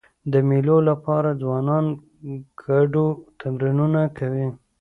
د مېلو له پاره ځوانان ګډو تمرینونه کوي.